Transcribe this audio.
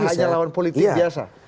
hanya lawan politik biasa